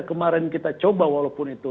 kemarin kita coba walaupun itu